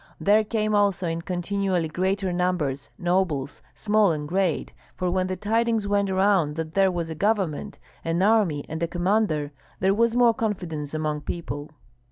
There came also, in continually greater numbers, nobles, small and great, for when the tidings went around that there was a government, an army, and a commander, there was more confidence among people.